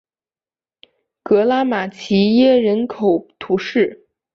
格拉马齐耶人口变化图示